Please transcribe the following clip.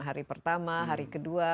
hari pertama hari kedua